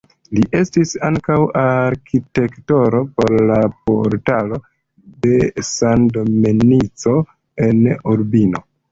Li estis ankaŭ arkitekto por la portaloj de San Domenico en Urbino.